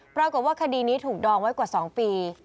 ปรากฏว่าคดีนี้ถูกดองไว้กว่า๒ปี